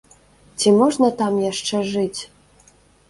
Ці можна там яшчэ жыць?